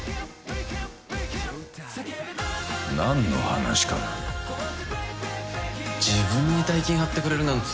何の話かな自分に大金張ってくれるなんつう男